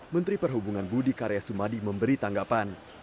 menteri perhubungan budi karya sumadi memberi tanggapan